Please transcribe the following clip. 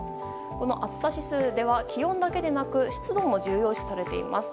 暑さ指数では、気温だけでなく湿度も重要視されています。